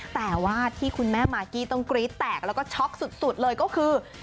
แต่ว่าที่คุณแม่มากกี้ต้องกรี๊ดแตกแล้วก็ช็อกสุดเลยก็คือ